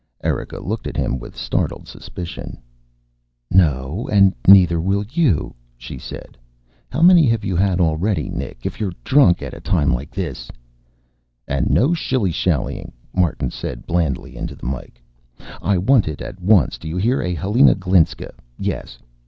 Erika looked at him with startled suspicion. "No, and neither will you," she said. "How many have you had already? Nick, if you're drunk at a time like this " "And no shilly shallying," Martin said blandly into the mike. "I want it at once, do you hear? A Helena Glinska, yes.